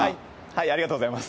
ありがとうございます。